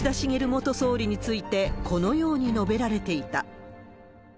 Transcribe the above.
元総理についてこのように述べられていた。